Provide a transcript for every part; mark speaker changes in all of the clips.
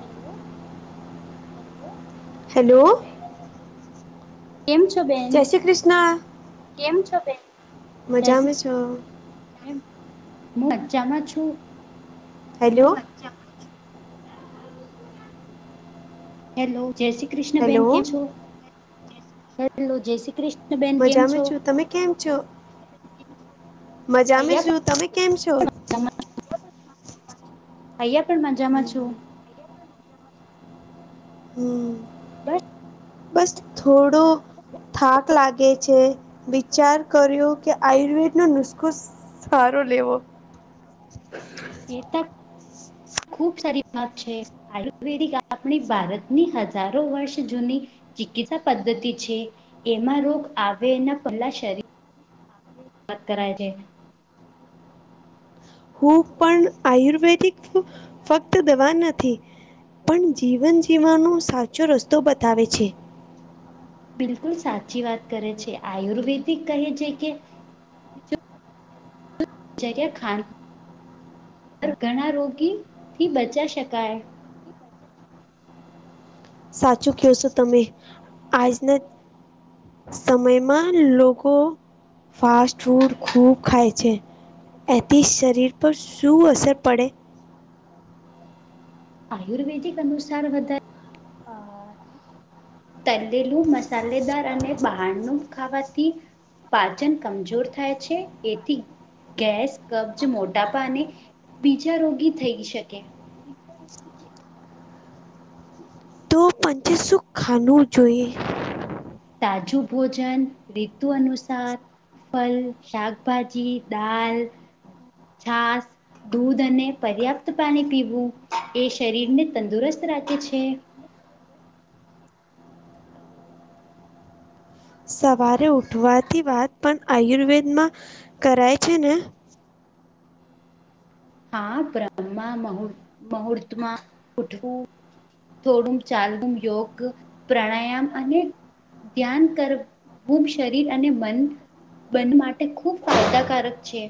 Speaker 1: Hello.
Speaker 2: Hello.
Speaker 1: કેમ છો બેન
Speaker 2: જય શ્રી કૃષ્ણ. કેમ છો બેન. મજામાં છો?
Speaker 1: એમ હું મજ્જામાં છું.
Speaker 2: હલો.
Speaker 1: હેલો જય શ્રી કૃષ્ણ
Speaker 2: હેલો
Speaker 1: બેન કે છો હેલો જય શ્રી કૃષ્ણ બેન કેમ
Speaker 2: મજામાં
Speaker 1: છો
Speaker 2: છું તમે કેમ છો? મજામે શું
Speaker 1: અહીંયા
Speaker 2: તમે કેમ છો?
Speaker 1: પણ અહીંયા પણ મજામાં છું.
Speaker 2: હમ હમ્મ
Speaker 1: બસ
Speaker 2: બસ થોડો. થાક લાગે છે વિચાર કર્યું કે આયુર્વેદનો નુસખો સારો લેવો. [inaudible]
Speaker 1: એ તો ખુબ સારી વાત છે. આયુર્વેદિક આપણી ભારતની હજારો વર્ષ જૂની ચિકિત્સા પદ્ધતિ છે એમાં રોગ આવેના પહેલા શરીર વાત કરરા છે.
Speaker 2: હું પણ આયુર્વેદિક ફક્ત દવા નથી. પણ જીવન જીવવાનો સાચો રસ્તો બતાવે છે.
Speaker 1: બિલકુલ સાચી વાત કરે છે આયુર્વેદિક કહે છે કે જ્યા ખ ઘણા રોગી થી બચા શકાય
Speaker 2: સાચું કહ છો તમે આજના સમયમાં લોકો ફાસ્ટ ફૂડ ખુબ ખાય છે. એથી શરીર પર શું અસર પડે?
Speaker 1: આયુર્વેદિક અનુસાર વધારે તલેલું મસ્ સાલેદાર અને બહારનુંનું ખાવાથી પાચન કમજોર થાય છે એથી ગેસ કબજ મોટાપાને બીજા રોગી થઈ છે.
Speaker 2: [inaudible] તો પંચીસું ખાનું જોઈએ.
Speaker 1: તાજું ભોજન ઋતુ અનુસાર ફલ શાકભાજી દાલ છાસ દૂધ અને પર્યાપ્ત પાણી પીવું એ શરીરને તંદુરસ્ત રાખે છે.
Speaker 2: સવારે ઉઠવાથી વાત પણ આયુર્વેદમાં કરાય છે ને.
Speaker 1: હા બ્રહ્મા મુહૂર્તમાં ઉઠવું. થોડું ચાલવુ યોગ પ્રાણાયામ અને ધ્યાન કરવું શરીર અને મન બન માટે ખૂબ ફાયદાકારક છે.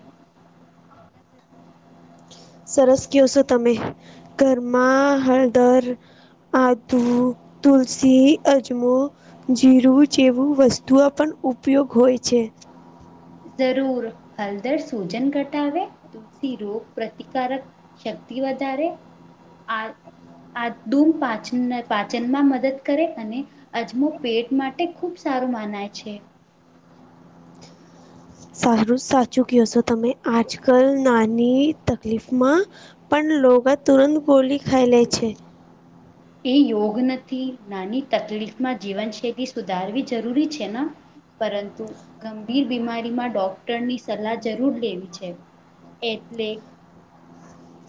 Speaker 2: સરસ કયો છો તમે ઘરમાં હળદર આદુ તુલસી અજમો. જીરું જેવું વસ્તુઓ પણ ઉપયોગ હોય છે.
Speaker 1: જરૂર હલદર સૂજન ઘટાવે. તુલસી રોગ પ્રતિકારક શક્તિ વધારે આ આધૂમ પાચન પાચનમાં મદદ કરે અને અજમો પેટ માટે ખુબ સારું માનાય છે.
Speaker 2: સારું જ સાચું કહે છો તમે આજકાલ નાની તકલીફમાં પણ લોગ તુરંત ગોલી ખાઈ લઈ છે.
Speaker 1: એ યોગ નથી નાની તકલીફમાં જીવનશૈલી સુધારવી જરૂરી છે ન. પરંતુ ગંભીર બીમારીમાં ડોક્ટરની સલાહ જરૂર લેવી છે. એટલે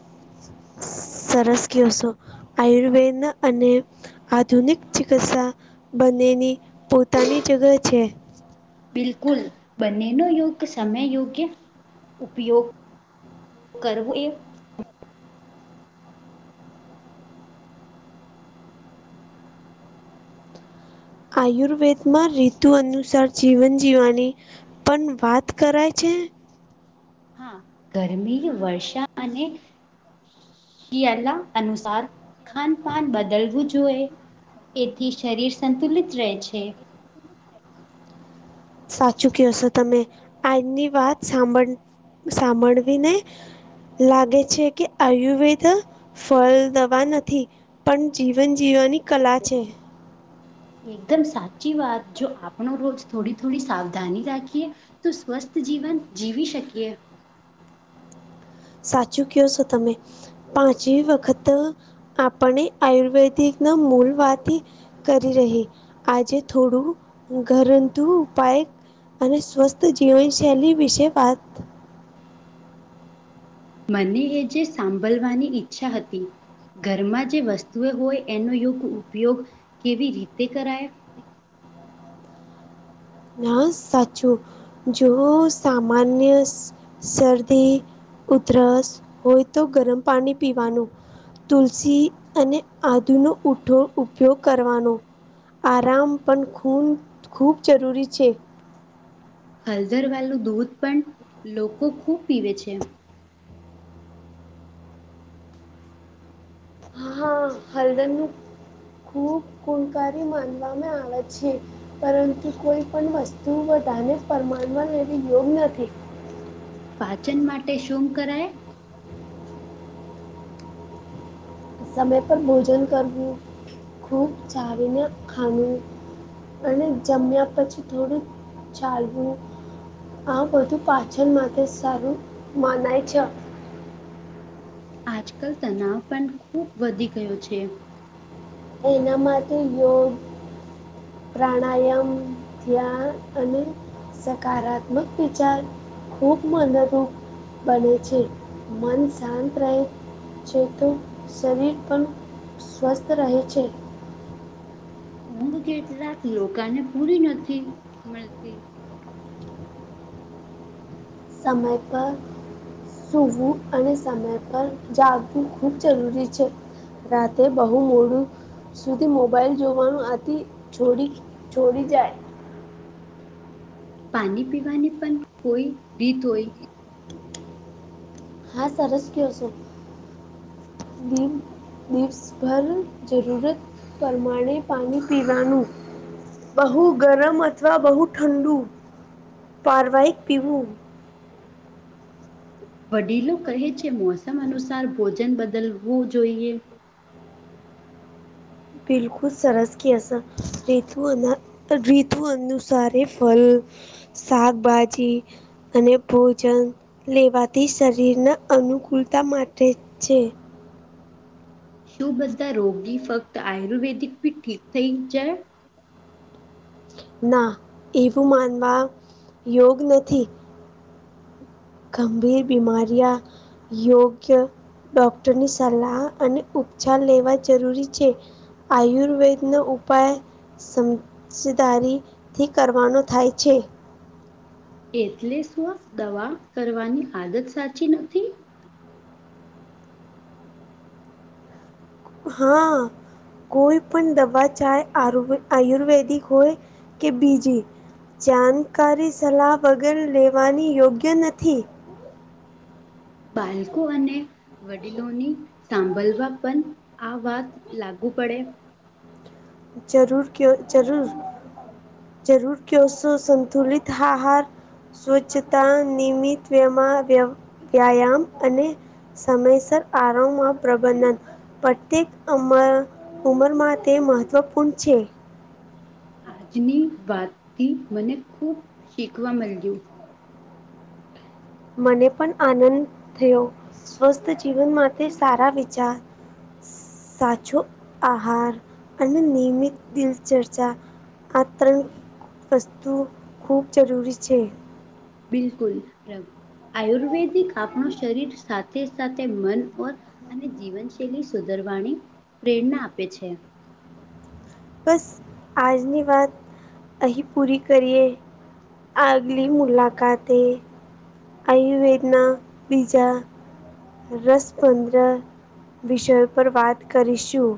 Speaker 2: [inaudible] સરસ કેસો આયુર્વેદ અને આધુનિક ચિકિત્સા બનેની પોતાની જગ છે.
Speaker 1: બિલકુલ બંને નો યોગ સમય યોગ્ય ઉપયોગ કરવું એ
Speaker 2: આયુર્વેદમાં રીધુ અનુસાર જીવન જીવવાની પણ વાત કરાય છે ને
Speaker 1: હા ગરમી વર્ષા અને શિયાલા અનુસાર ખાનપાન બદલવું જોઈએ એથી શરીર સંતુલિત રહે છે
Speaker 2: સાચું કહ છો તમે આજની વાત સાંભળ સાંભળવી ને લાગે છે કે આયુર્વેદ ફળ દવા નથી પણ જીવન જીવવાની કલા છે
Speaker 1: એકદમ સાચી વાત જો આપણો રોજ થોડી થોડી સાવધાની રાખીએ તો સ્વસ્થ જીવન જીવી શકીએ
Speaker 2: સાચું કયો છો તમે પાંચમ વખત આપણે આયુર્વેદિકના મૂલ વાથી કરી રહી આજે થોડું ઘરંધું ઉપાય અને સ્વસ્થ જીવનશૈલી વિશે વાત
Speaker 1: મને એ જે સાંભળવાની ઈચ્છા હતી ઘરમાં જે વસ્તુઓ હોય એનો યોગ્ય ઉપયોગ કેવી રીતે કરાય
Speaker 2: ના સાચું જો સામાન્ય શરદી ઉધરસ હોય તો ગરમ પાણી પીવાનું તુલસી અને આદુનો ઊઠો ઉપયોગ કરવાનો આરામ પણ ખૂન ખૂબ જરૂરી છે
Speaker 1: હળદરવાલું દૂધ પણ લોકો ખૂબ પીવે છે
Speaker 2: હા હા હલદરું ખૂબ ગુણકારી માનવામાં આવે છે પરંતુ કોઈ પણ વસ્તુ બધાને પરમાણમાં લેવી યોગ નથી
Speaker 1: પાચન માટે શું કરાય
Speaker 2: સમય પર ભોજન કરવું ખૂબ ચાવીને ખાન અને જમ્યા પછી થોડું ચાલવું આ બધું પાચન માટે સારું મનાય છે
Speaker 1: આજકાલ તનાાવ પણ ખુબ વધી ગયો છે
Speaker 2: એના માટે યોગ પ્રાણાયામ થ્યા અને સકારાત્મક વિચાર ખૂબ મદદ બને છે મન શાંત રહે જે તો શરીર પણ સ્વસ્થ રહે છે
Speaker 1: ઊંઘ કેટલા લોકોને પૂરી નથી મળતી
Speaker 2: સમયપ સુવું અને સમય પર જાગવું ખૂબ જરૂરી છે રાતે બહુ મોડું સુધી મોબાઈલ જોવાનું આથી છોડી છોડી જાય
Speaker 1: પાણી પીવાની પણ કોઈ રીત હોય
Speaker 2: હા સરસ કસોમ લિવ્સભર જરૂરત પ્રમાણે પાણી પીવાનું બહુ ગરમ અથવા બહુ ઠંડુ પારવાહક પીવું
Speaker 1: વડીલો કહે છે મોસમ અનુસાર ભોજન બદલવું જોઈએ
Speaker 2: બિલકુલ સરસ કસ રઋતુ અંદર તો રીતુ અનુસાર એ ફલ, શાકભાજી અને ભોજન લેવાથી શરીરના અનુકૂળતા માટે છે.
Speaker 1: શું બધા રોગી ફક્ત આયુર્વેદિક ભી ઠીક થઈ જાય
Speaker 2: ના એવું માનવા યોગ નથી ગંભીર બીમાારિયા યોગ્ય ડોક્ટરની સલાહ અને ઉપચાર લેવા જરૂરી છે આયુર્વેદનો ઉપાય સમ દારીથી કરવાનું થાય છે.
Speaker 1: એટલે સ્વ દવા કરવાની આદત સાચી નથી.
Speaker 2: હા. કોઈ પણ દવા ચાહે આરોગ આયુર્વેદિક હોય કે બીજી. જાણકારી સલાહ વગર લેવાની યોગ્ય નથી.
Speaker 1: બાલકો અને વડીલોની સાંભળવા પણ આ વાત લાગુ પડે.
Speaker 2: જરૂર કયો જરૂર. જરૂર કે સો સંંતુલિત હાહાર. સ્વચ્છતા નિમિતમાં વ વ્યાયામ અને સમયસર આરોમાં પ્રબંધન. પ્રત્યેક ઉંમર ઉંમરમાં તે મહત્વપૂર્ણ છે.
Speaker 1: આજની વાતથી મને ખુબ શીખવા મળ્યું.
Speaker 2: મને પણ આનંદ થયો સ્વસ્થ જીવન માટે સારા વિચાર સાચો આહાર અને નિયમિત દિલચર્ચા આ ત્રણ વસ્તુ ખૂબ જરૂરી છે.
Speaker 1: બિલકુલ પ્રભ આયુર્વેદિક આપણું શરીર સાથે-સાથે મન ઓર અને જીવનશૈલી સુધરવાની પ્રેરણા આપે છે.
Speaker 2: બસ આજની વાત અહીં પૂરી કરીએ. આગલી મુલાકાતે આયુર્વેદના બીજા રસપંદ્ર વિષય પર વાત કરીશું.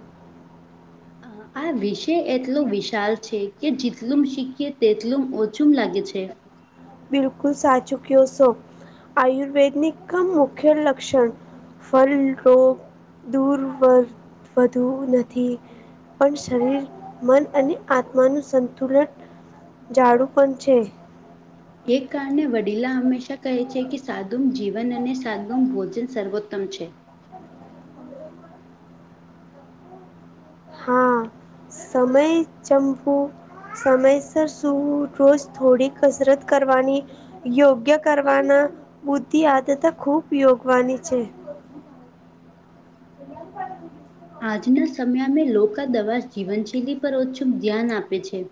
Speaker 1: આ વિષય એટલો વિશાલ છે કે જેટલુંમ શીખએ તેટલુંમ ઓછું લાગે છે.
Speaker 2: બિલકુલ સાચુકઓ સો આયુર્વેદિક ક મુખ્ય લક્ષણ. ફલ, રોગ, દૂરવ વધુ નથી. પણ શરીર મન અને આત્માનું સંતુલન. ઝાડું પણ છે.
Speaker 1: એક કારણે વડીલા હંમેશા કહે છે કે સાદુમ જીવન અને સાદુમ ભોજન સર્વોત્તમ છે.
Speaker 2: હા સમય ચંપુ સમયસર સૂવું રોજ થોડી કસરત કરવાની. યોગ્ય કરવાના બુદ્ધિ આદતે ખૂબ યોગવાની છે.
Speaker 1: આજના સમયામાં લો આ દવા જીવનશૈલી પર ઓછું ધ્યાન આપે છે.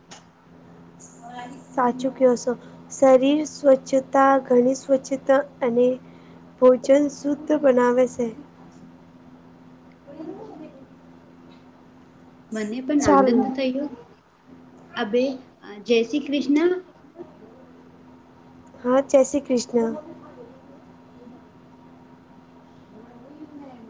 Speaker 2: સાચું કયો છો. શરીર સ્વચ્છતા ઘણી સ્વચ્છતા અને ભોજન શુદ્ધ બનાવે છે.
Speaker 1: મને પણ
Speaker 2: ચાલો
Speaker 1: આનંદ થયો અભે જય શ્રી કૃષ્ણ.
Speaker 2: હા જય શ્રી કૃષ્ણ.